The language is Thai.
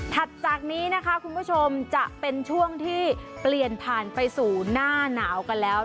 จากนี้นะคะคุณผู้ชมจะเป็นช่วงที่เปลี่ยนผ่านไปสู่หน้าหนาวกันแล้ว